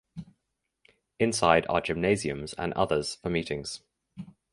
Inside are gymnasiums and others for meetings.